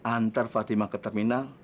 antar fatima ke terminal